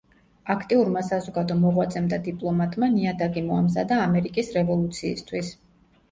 აქტიურმა საზოგადო მოღვაწემ და დიპლომატმა ნიადაგი მოამზადა ამერიკის რევოლუციისთვის.